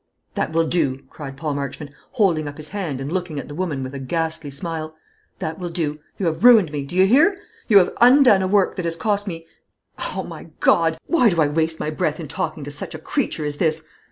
"That will do," cried Paul Marchmont, holding up his hand and looking at the woman with a ghastly smile; "that will do. You have ruined me; do you hear? You have undone a work that has cost me O my God! why do I waste my breath in talking to such a creature as this?